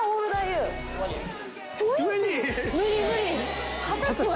無理無理。